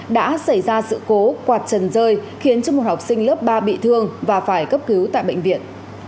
đã xảy ra sự cố quạt trần rơi khiến cho một học sinh lớp ba bị thương và phải cấp cứu tại bệnh viện